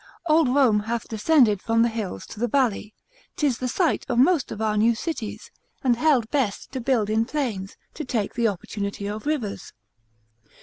Old Rome hath descended from the hills to the valley, 'tis the site of most of our new cities, and held best to build in plains, to take the opportunity of rivers.